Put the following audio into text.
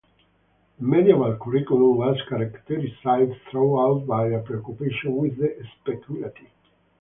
The medieval curriculum was characterised throughout by a preoccupation with the speculative.